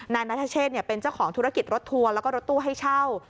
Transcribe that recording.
นายนัทเชษเป็นเจ้าของธุรกิจรถทัวร์แล้วก็รถตู้ให้เช่า